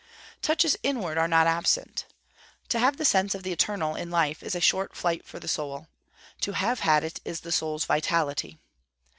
Touches inward are not absent: 'To have the sense of the eternal in life is a short flight for the soul. To have had it, is the soul's vitality.'